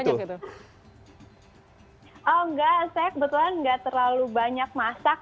saya kebetulan enggak terlalu banyak masak